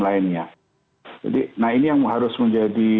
lainnya jadi nah ini yang harus menjadi